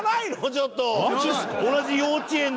ちょっと。